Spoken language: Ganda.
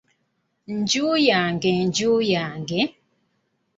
"Nju yange nju yange?"